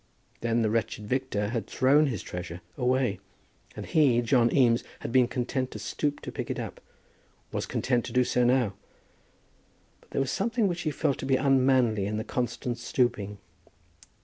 Then the wretched victor had thrown his treasure away, and he, John Eames, had been content to stoop to pick it up, was content to do so now. But there was something which he felt to be unmanly in the constant stooping.